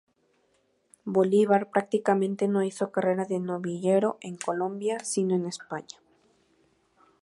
Bolívar prácticamente no hizo carrera de novillero en Colombia, sino en España.